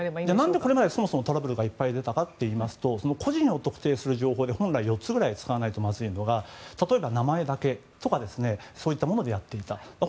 何で、これまでそもそもトラブルがいっぱい出たかというと個人を特定する情報って本来、４つくらい使わないとまずいのが例えば名前化けとかそういったものでやっていた。